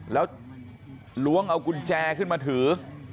แล้วล้วงเอากุญแจขึ้นมาถือ